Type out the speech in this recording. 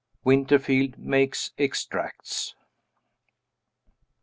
WINTERFIELD MAKES EXTRACTS.